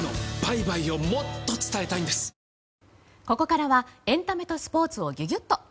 ここからはエンタメとスポーツをギュギュっと。